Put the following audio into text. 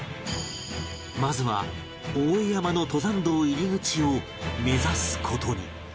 まずは大江山の登山道入り口を目指す事に